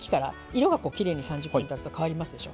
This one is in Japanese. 色がこうきれいに３０分たつと変わりますでしょ。